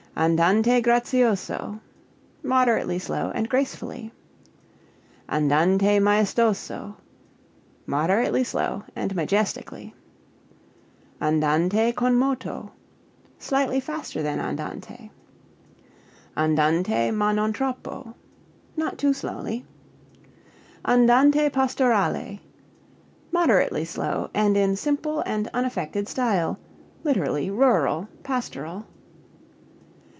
Andante grazioso moderately slow, and gracefully. Andante maestoso moderately slow, and majestically. Andante con moto slightly faster than andante. Andante (ma) non troppo not too slowly. Andante pastorale moderately slow, and in simple and unaffected style; (lit. rural, pastoral).